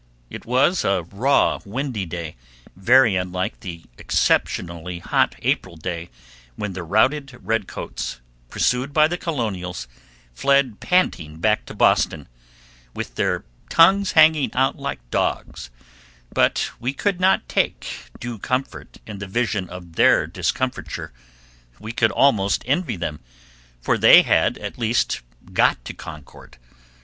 It was a raw, windy day, very unlike the exceptionally hot April day when the routed redcoats, pursued by the Colonials, fled panting back to Boston, with "their tongues hanging out like dogs," but we could not take due comfort in the vision of their discomfiture; we could almost envy them, for they had at least got to Concord.